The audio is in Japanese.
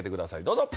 どうぞ。